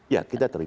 ya kita terima